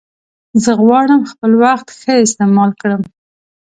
زه غواړم خپل وخت ښه استعمال کړم.